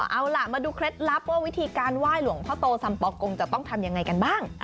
เอาล่ะมาดูเคล็ดลับว่าวิธีการไหว้หลวงพ่อโตสัมปอกงจะต้องทำยังไงกันบ้าง